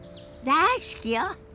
大好きよ。